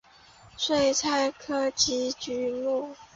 睡菜科及菊目。